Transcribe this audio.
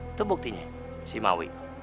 itu buktinya si maui